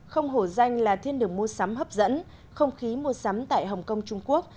không hổ danh là thiên đường mua sắm hấp dẫn không khí mua sắm tại hồng kông trung quốc